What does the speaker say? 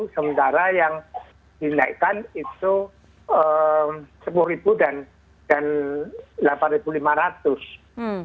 sementara yang dinaikkan itu rp sepuluh dan rp delapan lima ratus